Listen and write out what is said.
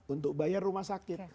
untuk bayar rumah sakit